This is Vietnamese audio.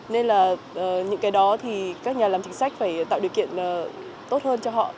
nên là những cái đó thì các nhà làm chính sách phải tạo điều kiện tốt hơn cho họ